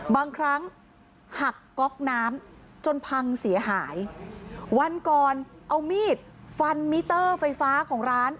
บางครั้งหักก๊อกน้ำจนพังเสียหายวันก่อนเอามีดฟันมิเตอร์ไฟฟ้าของร้าน